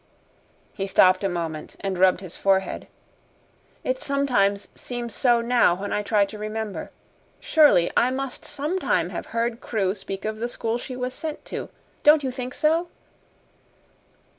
He stopped a moment and rubbed his forehead. "It sometimes seems so now when I try to remember. Surely I must sometime have heard Crewe speak of the school she was sent to. Don't you think so?"